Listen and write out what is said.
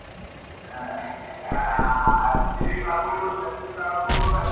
د جان نریو گوتو کښلي کرښي اخلمه زه,